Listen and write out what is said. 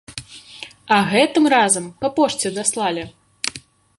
А гэтым разам па пошце даслалі!